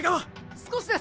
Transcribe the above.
少しです！